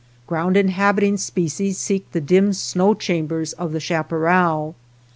Ground inhabiting spe cies seek the dim snow chambers of the chaparral.